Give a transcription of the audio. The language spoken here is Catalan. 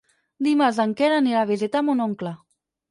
Dimarts en Quer anirà a visitar mon oncle.